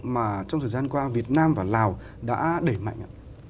mà trong thời gian qua việt nam và lào đã đẩy mạnh